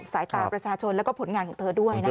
สายตาประชาชนแล้วก็ผลงานของเธอด้วยนะคะ